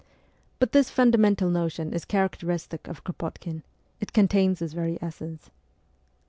But this fundamental notion is characteristic of Kro potkin ; it contains his very essence.